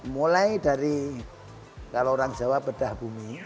mulai dari kalau orang jawa bedah bumi